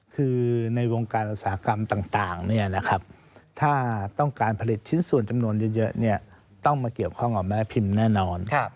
คือในวงการอุตสาหกรรมต่างถ้าต้องการผลิตชิ้นส่วนจำนวนเยอะต้องมาเกี่ยวข้องกับแม่พิมพ์แน่นอน